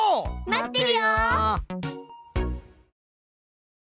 待ってるよ！